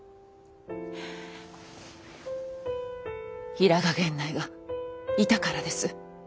平賀源内がいたからです。